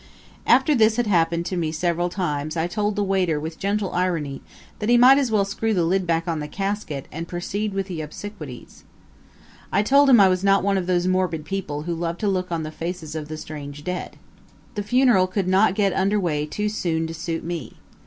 After this had happened to me several times I told the waiter with gentle irony that he might as well screw the lid back on the casket and proceed with the obsequies. I told him I was not one of those morbid people who love to look on the faces of the strange dead. The funeral could not get under way too soon to suit me.